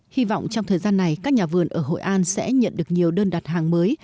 hy vọng trong thời gian này các nhà vườn ở hội an sẽ nhận được nhiều đơn đặt hàng mới